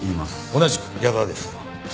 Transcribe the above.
同じく矢沢です。